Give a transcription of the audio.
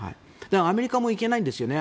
アメリカもいけないんですよね。